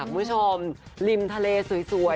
คุณผู้ชมริมทะเลสวย